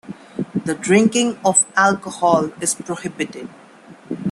The drinking of alcohol is prohibited.